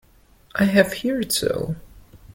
I have heard so.